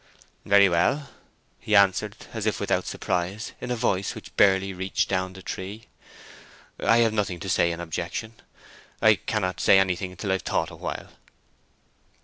"Very well," he answered, as if without surprise, in a voice which barely reached down the tree. "I have nothing to say in objection—I cannot say anything till I've thought a while."